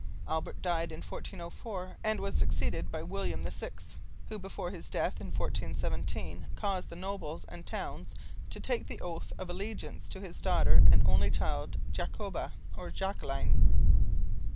Albert died in 1404 and was succeeded by William VI, who before his death in 1417 caused the nobles and towns to take the oath of allegiance to his daughter and only child, Jacoba or Jacqueline.